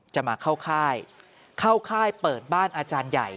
จะมาเข้าค่ายเข้าค่ายเปิดบ้านอาจารย์ใหญ่